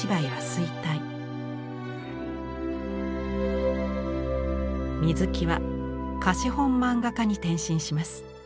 水木は貸本漫画家に転身します。